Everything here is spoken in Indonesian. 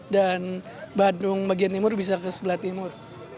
dan bandung bagian timur bisa ke sebelah timur